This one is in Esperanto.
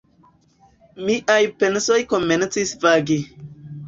Miaj pensoj komencis vagi.